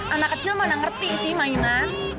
anak kecil mana ngerti sih mainan